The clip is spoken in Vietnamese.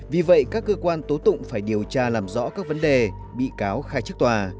vì vậy các cơ quan tố tụng phải điều tra làm rõ các vấn đề bị cáo khai chức tòa